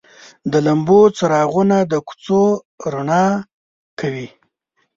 د لمبو څراغونه د کوڅو رڼا کوي.